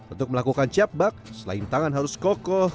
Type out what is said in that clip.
untuk melakukan cap bak selain tangan harus kokoh